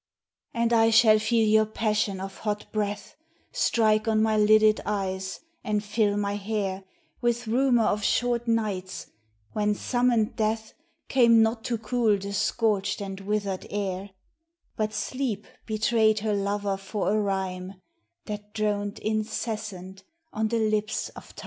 And I shall feel your passion of hot breath Strike on my lidded eyes, and fill my hair With rumour of short nights, when summoned Death Came not to cool the scorched and withered air ; But sleep betrayed her lover for a rhyme That droned incessant on the lips of Time.